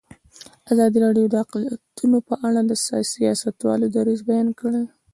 ازادي راډیو د اقلیتونه په اړه د سیاستوالو دریځ بیان کړی.